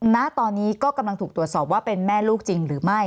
ณตอนนี้ก็กำลังถูกตรวจสอบว่าเป็นแม่ลูกจริงหรือไม่